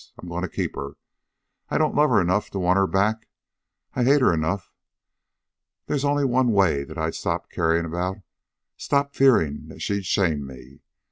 I'm going to keep her. I don't love her enough to want her back, I hate her enough. They's only one way that I'd stop caring about stop fearing that she'd shame me.